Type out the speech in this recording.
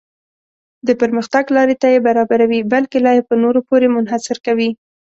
د پرمختګ لارې ته یې برابروي بلکې لا یې په نورو پورې منحصر کوي.